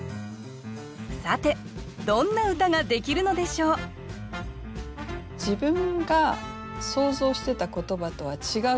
さてどんな歌ができるのでしょう自分が想像してた言葉とは違う言葉が相手から返ってきます。